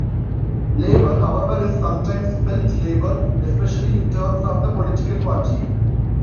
Labour however is sometimes spelt labor, espcially in terms of the political party.